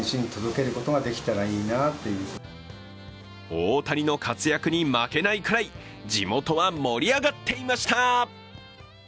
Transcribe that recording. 大谷の活躍に負けないくらい地元は盛り上がっていました。